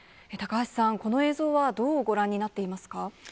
高橋さん、この映像はどうご覧になっていますか。